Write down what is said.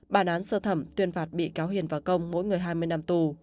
bản án sơ thẩm tuyên phạt bị cáo hiền và công mỗi người hai mươi năm tù